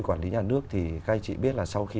quản lý nhà nước thì các anh chị biết là sau khi